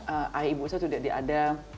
ah ayah ibu saya sudah diadam